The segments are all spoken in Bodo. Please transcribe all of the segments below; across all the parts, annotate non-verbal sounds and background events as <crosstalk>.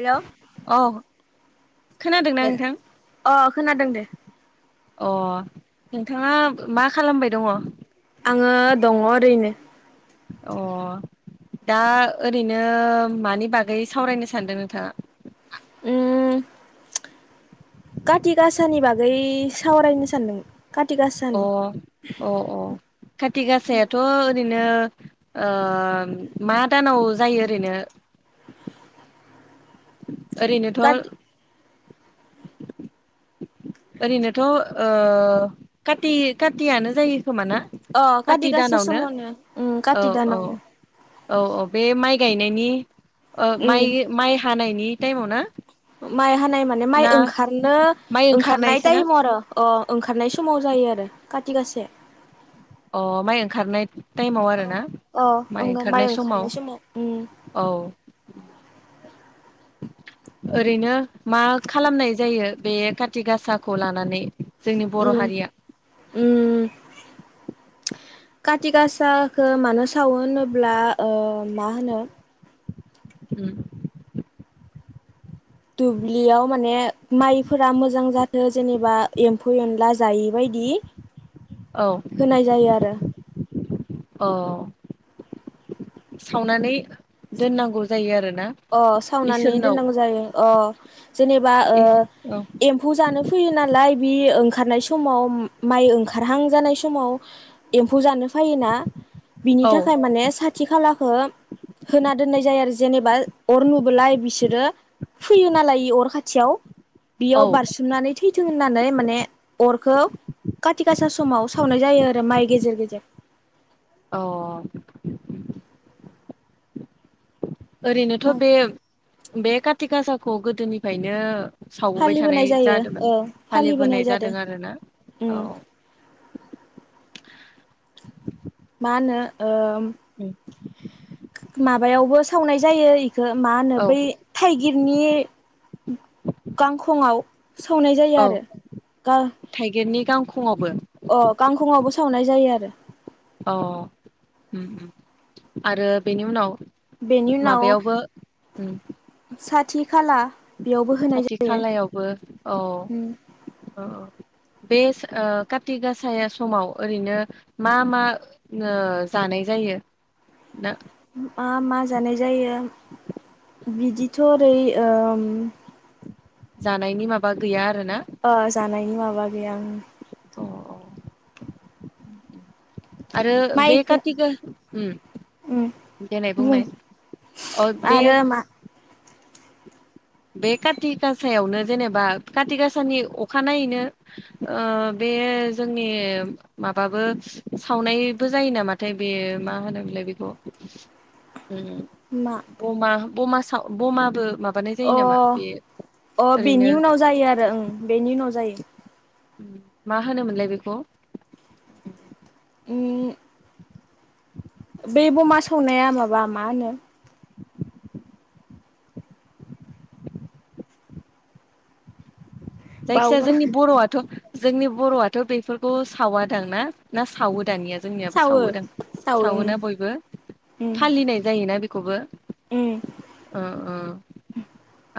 हेलौ औ। खोनादोंना नोंथां अ खोनादों दे अ नोंथाङा मा खालामबाय दङ? आङो दङ ओरैनो अ दा ओरैनो मानि बागै सावरायनो सानदों नोंथाङा? <inaudible> उम काति गासानि बागै सावरायनो सानदों। अ अ अ खाति गासायाथ' ओरैनो ओ ओम मा दानाव जायो ओरैनो? ओरैनोथ' काति ओरैनोथ' ओ काति कातियानो जायो। खोमा ना अ काति खाथि गासा दानावनो समावनो उम औ काति औ। दानावनो औ औ बे माइ गायनायनि ओ उम माइ हानायनि टाइमाव ना? माइ हानाय माने माइ ना ओंखारनो माइ ओंखारनाय ओंखारनायसो ना टाइमाव आरो। अ ओंखारनाय समाव जायो आरो खाथिगासाया। अ माइ ओंखारनाय टाइमाव आरोना माइ ओंखारनाय समाव। औ। ओरैनो मा खालामनाय जायो बे काति गासाखौ लानानै जोंनि बर' उम हारिया <inaudible> कति गासाखो मानो सावो होनोब्ला ओ मा होनो उम। दुब्लियाव माने माइफोरा मोजां जाथों जेनेबा एम्फौ एनला जायैबायदि। दि होनाय जायो आरो। अ सावनानै दोननांगौ जायो आरोना अ सावनानै इसोरनाव दोननांगौ जायो अ। जेनेबा इ ओ औ एम्फौ जानो फैयो नालाय बि ओंखारनाय समाव माइ ओंखारहां जानाय समाव एम्फौ जानो फायोना बिनि औ थाखाय माने साथि खालाखौ होना दोननाय जायो आरो। जेनेबा अर नुबोलाय बिसोरो फुयो नालाय अर खाथियाव बेयाव औ बारसोमनानै थैथों होननानै माने अरखौ खाथि गासा समाव सावनाय जायो आरो माइ गेजेर गेजेर अ ओरैनोथ' बे बे कारति गासाखौ गोदोनिफ्रायनो सावबोबाय फालिबोनाय थानाय जायो औ जादोंमोन फालिबोनाय जादों आरोना औ <unintelligible> मा होनो ओ उम माबायावबो सावनाय जायो इ खो मा होनो औ बै थाइगिरनि गांखंआव सावनाय जायो औ आरो गा थाइगिरनि गांखंआवबो अ गांखंआवबो सावनाय जायो आरो अ उम उम आरो बेनि उनाव बेनि उनाव माबायावबो उम साथि खाला बेयावबो होनाय खाथि जायो खालायावबो औ ओओ बे सो ओ काति गासा समाव ओरैनो मा मा जानो नाय जायो ना मा मा जानाय जायो? बिदिथ' ओरै ओ जानायनि माबा गैया? आरोना अ जानायनि माबा गैया ओं। अ आरो माइखो बेखाथिगा उम देनाय बुं बुंनाय अ बे आरो मा बे काति गासायावनो जेनेबा काति गासानि अखानायैनो ओ बे बे जोंनि माबाबो सावनायबो जायो नामाथाय बे मा होनोमलाय ‌? बेखौ उम मा बमा बमाबो साव बमाबो माब अ अ ओरैनो बेनि उनाव जायो आरो ओं बेनि उनाव जायो मा होनोमोनलाय बेखौ? उम। बे बमा सौनाया माबा मा होनो? जायखि जाया बावगार जोंनि बर'आथ' जोंनि बर'आथ' बेफोरखौ सावदांना ना सावो दानिया। जोंनियाबो सावो सावोदां सावो उम सावोना बयबो उम फालिनाय जायोना बेखौबो? उम ओ ओ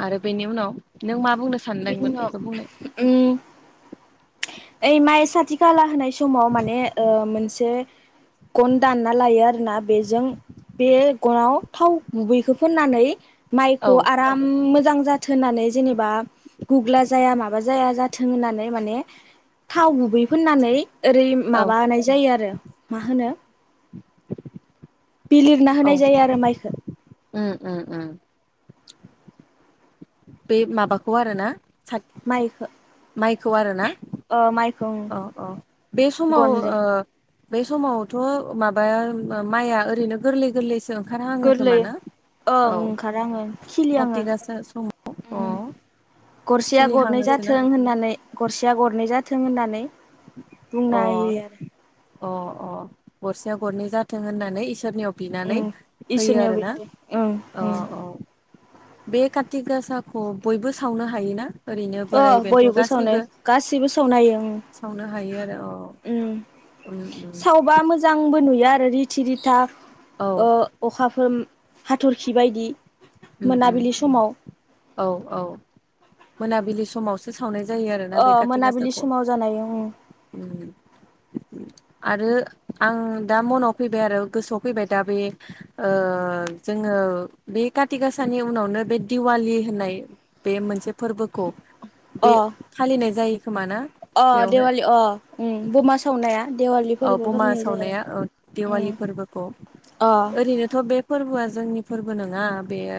आरो बेनि उनाव नों मा बुंनो बिनि सानदोंमोन? उनाव बुंनाय उम ओइ माइ साथि खाला होनाय समाव माने ओ मोनसे गन दानना लायो आरोना बेजों बे गनाव थाव गुबैखौ फोननानै औ माइखौ आराम मोजां जाथों होननानै जेनेबा गुग्ला जाया माबा जाया जाथों होननानै माने थाव गुबै फोननानै ओरै औ माबानाय जायो आरो मा होनो <inaudible> बिलिरना औ होनाय जायो आरो माइखो उम उम उम। बे माबाखौ आरोना? माइखो माइखौ आरोना ओ माइखौ अ अ बे समाव गनजों ओ बे समावथ' माबाया माइआ ओरैनो गोरलै गोरलै गोरलै ओं ओंखार आङो काति खिलिहांङो। गासा समाव अ उम गरसेया गरनै खिलिहाङोसोना जाथों होननानै गरसेया गरनै जा थों होननानै अ बुंना होयो आरो अ अ गरसेया गरनै जाथों होननानै इसे इसोरनियाव बिनानै उम होयो इसोरनियाव बे आरोना आरो ओं अ उम अ बे काति गासाखौ बयबो सावनो हायोना? ओरैनो अ बोराइ बेन्थ' बयबो सावनो गासैबो गासैबो सावनो हायो उम सावनो हायो आरो औ उम। उम उम सावबा मोजांबो नुयो। यो आरो रिति रिथा औ अखाफोर ओ हाथरखि बायदि। उम मोनाबिलि उम समाव औ औ मोनाबिलि समावसो। सावनाय जायो आरोना अ बे काति मोनाबिलि गासाखौ। समाव जानाय उम आरो आं दा मनाव फैबाय आरो गोसोआव फैबाय दा बे ओ जोङो ओ बे काथि गाासानि उनावनो बे दिवालि होननाय बे मोनसे फोरबोखौ अ बे फालिनाय जायो खोमाना अ बेवहाय देवालि अ उम बमा सावनाया देवालि औ फोरबो बमा फालिनाय जायो आरो सावनाया औ उम देवालि फोरबोखौ अ ओरैनोथ' बे फोरबोआ जोंनि फोरबो नङा बेयो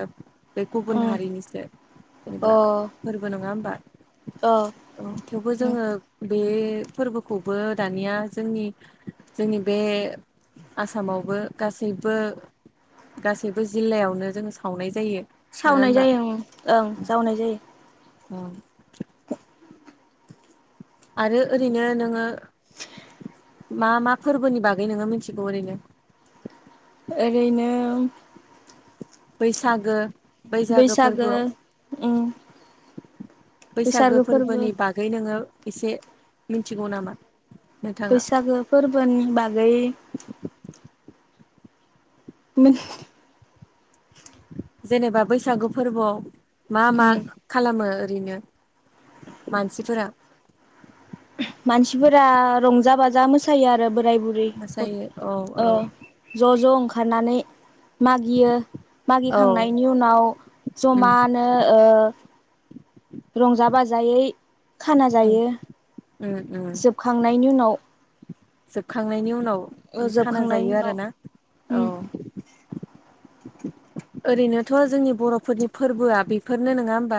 बे गुबुन ओं हारिनिसो जेनेबा अ फोरबो नङा होमबा। अ थेवबो उम जोङो बे फोरबोखौबो दानिया जोंनि जोंनि बे आसामावबो गासैबो गासैबो जिल्लायावनो जोङो सावनाय जायो। नङा सावनाय होनबा जायो ओं ओं सावनाय जायो। अ आरो ओरैनो नोङो। मा मा फोरबोनि बागै नोङो मिथिगौ ओरैनो? ओरैनो बैसागो बैसागो फोरबोआव उम बैसागो फोरबोनि बागै नोङो एसे मिथिगौ नामा? नोंथाङा बैसागो फोरबोनि बागै <unintelligible> जेनेबा बैसागु फोरबोआव मा मा उम खालामो? ओरैनो मानसिफोरा। मानसिफोरा रंजा बाजा मोसायो आरो। बोराय बुरि ओ मोसायो औ औ ज' ज' ओंखारनानै। मागियो औ मागिखांनायनि उनाव उम जमानो ओ। रंजा बाजायै खाना उम जायो। उम उम जोबखांनायनि उनाव। जोबखांनायनि उनाव ओ खाना जोबखांनायनि जायो उनाव आरोना उम औ। ओरैनोथ जोंनि बरफोरनि फोरबोआ बेफोरनो नङा होमबा।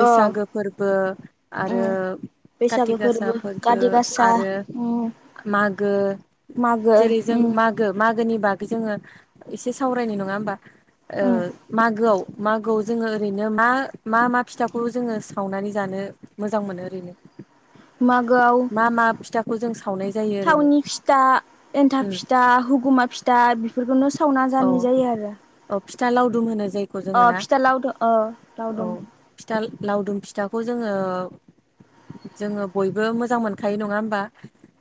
अ बैसागु फोरबो आरो उम काति बैसागो गासा फोरबो काति गासा आरो उम मागो मागो जेरै जों उम मागो मागोनि बागै जोंङो एसे सावरायनाय नङा होमबा। उम मागोआव मागोआव जोंङो ओरैनो मा-मा मा फिथाखौ जोंङो सावनानै जानो मोजां मोनो ओरैनो मागोआव मा मा फिथाखौ। जों सावनाय जायो ओरैनो थावनि फिथा एन्थाब उम फिथा हुगुमा फिथा। बेफोरखौनो सावना औ जानाय जायो आरो। औ फिथा लावदुम होनो जायखौ जोंङो अ ना फिथा लावदुम औ फिथा। लावदुम फिथाखौ जोंङो जोंङो बयबो मोजां मोनखायो नङा होमबा।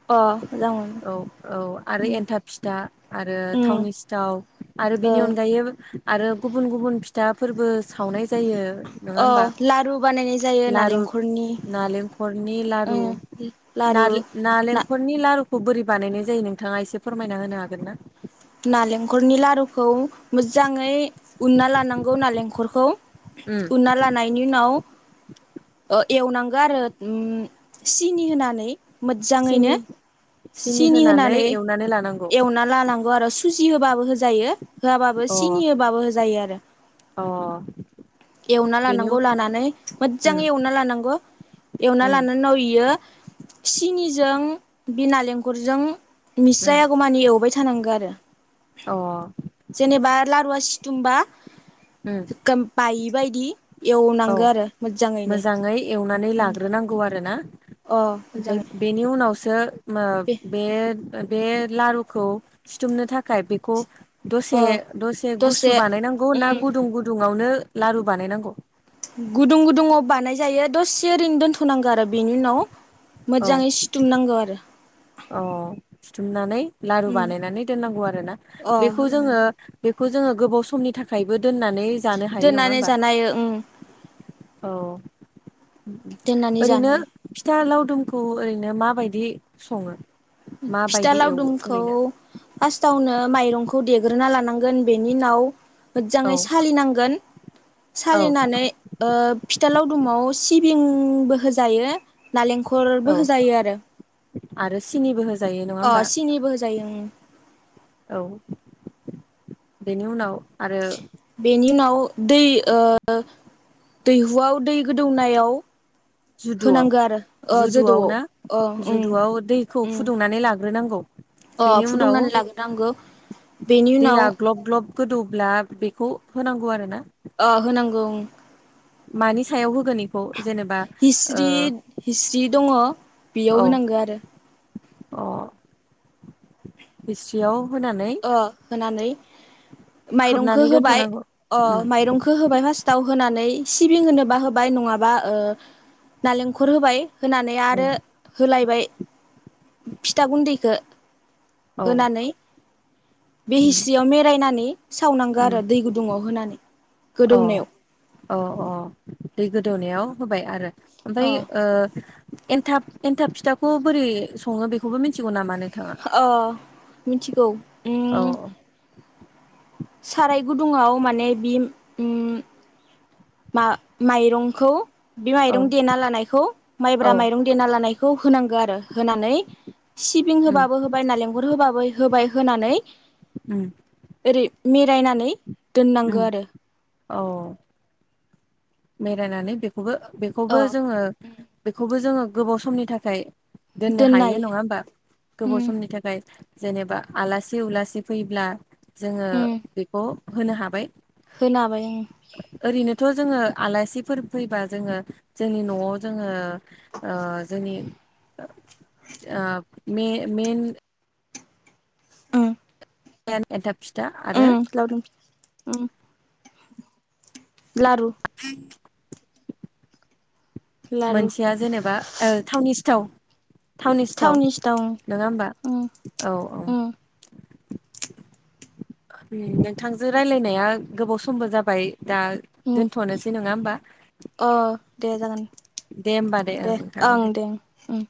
अ लावदुम औ औ आरो अ मोजां मोनो एन्थाब फिथा आरो उम उम थावनि सिथाव। आरो बेनि ओ अनगायै आरो गुबुन गुबुन फिथा फोरबो सावनाय जायो नङा होमबा अ लारु बानायनाय जायो लारु नालेंखरनि नालेंखलनि लारु उम लारु ना नालेंखलनि लारुखौ बोरै बानायनाय जायो नोंथांङा एसे फोरमायना होनो हागोन ना। नालेंखलनि लारुखौ मोजांङै। उनना लानांगौ नालेंखरखौ उम उनना लानायनि उनाव। एवनांगौ आरो सिनि होनानै मोजांङैनो सिनि सिनि होनानै एवना लानांगौ। आरो सुजि होबाबो होजायो होआबाबो अ सिनि होबाबो होजायो आरो। अ। एवना बेनि लानांगौ उन लानानै मोजां उम एवना लानांगौ। एवना उम लानानि उनाव इयो सिनिजों बे नालेंखरजों मिक्स उम जायागौमानि एवबाय थानांगौ आरो। अ जेनेबा लारुवा सिथुमबा उम बायो बेबायदि औ एवनांगौ आरो मोजांङैनो। मोजाङै एवनानै लाग्रोनांगौ आरो ना ओमफ्राय बेनि उनावसो बे बे लारुखौ सिथुमनो थाखाय। बेखौ दसे अ दसे गुसु बानायनांगौ ना उम गुदुं गुदुंआवनो। लारु बानायनांगौ। गुदुं गुदुङाव बानायजायो दसे ओरैनो दोनथनांगौ आरो बेनि उनाव मोजांङै सिथुमनांगौ आरो। अ सिथुमनानै लारु उम बानायनानै दोननांगौ आरो ना अ बेखौ जोंङो बे बेखौ जोंङो गोबाव समनि थाखायबो दोननानै जानो हायो नङा दोननानै होमबा जानाय उम औ। दोननानै ओरैनो जानाय फिथा लावदुमखौ ओरैनो माबायदि संङो फिथा लावदुमखौ फार्स्टावनो माइरंखौ देग्रोना लानांगोन बेनि उनाव औ मोजांङै सालिनांगोन। औ सालिनानै फिथालावदुमाव सिबिंबो होजायो नारेंखल औ नारेंखलबो होजायो आरो। आरो सिनिबो हो अ सिनिबो होजायो। औ बेनि उनाव आरो बेनि उनाव दै दैहुआव दै गोदौनायाव जुदुआव होनांगो आरो ओ जुदुआव जोदौआव ना ओ उम जुदुआव दैखौ उम फुदुंनानै लाग्रोनांगौ। औ। अ फुदुंनानै लाग्रोनांगौ। बेनि उनाव दैया ग्लब ग्लब गोदौब्ला बेखौ होनांगौ आरो ना। अ होनांगौ ओं मानि सायाव होगोन इखौ हिस्रिट हिस्रि दङ' बेयाव ओ औ होनांगो आरो अ हिस्रियाव होनानै ओ होनानै माइरंखो खोबनानै होबाय दोनथ'नांगौ अ उम माइरंखो होबाय फास टाव होनानै सिबिं होनोबा होबाय नङाबा ओ नालेंखर होबाय। होनानै आरो उम होलायबाय। फिथा गुन्दैखो औ होनानै बे उम हिस्रियाव मेरायनानै सावनांगो उम आरो दै गुदुङाव होनानै। अ गोदौनायाव अ अ दै गोदौनायाव होबाय आरो ओमफाय अ ओ एन्थाब एन्थाब फिथाखौ बोरै सङो बेखौबो मिथिगौ नामा नों अ मिथिगौ औ ओम साराय गुदुङाव माने बि ओम मा माइरंखौ बे औ माइरं देना लानायखौ माइब्रा औ माइरं देना लानाय खौ होनांगो आरो होनानै सिबिं उम होबाबो होबाय नालेंखर होबाबो होबाय होनानै ओम। मेरायनानै ओम औ। मेरायनानै बेखौबो बेखौबो अ जोङो बेखौबो जोङो गोबाव समनि थाखाय दोननो हायो नङा होमबा उम गोबाव समनि थाखाय। जेनेबा आलासि उलासि फैब्ला जोङो उम बेखौ होनो हाबाय। होनो हाबाय ओं। थ' जोङो आलासिफोर फैबा जोङो जोंनि न'आव जोङो ओ जोंनि ओ मे-मेन <unintelligible> ओम लावदुम फिथ ओम। लारु लारु मोनसेया जेनेबा ओ थावनि सिथाव थावनि सिथाव नोङा होमबा उम औ औ। उम नोंथांजो रायलायनाया गोबाव समबो जाबाय। दा उम दोनथ'नोसै नोङा होमबा अ दे जागोन दे ओं दे ओं ओम।